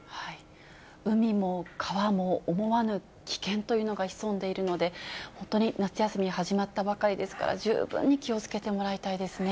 海も川も思わぬ危険というのが潜んでいるので、本当に夏休み始まったばかりですから、十分に気をつけてもらいたいですね。